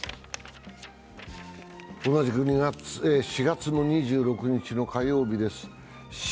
同じく４月２６日の火曜日です